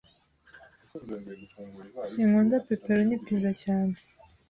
Sinkunda pepperoni pizza cyane